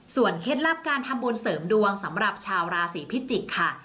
เคล็ดลับการทำบุญเสริมดวงสำหรับชาวราศีพิจิกษ์ค่ะ